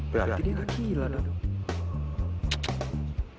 berarti dia gak gila dong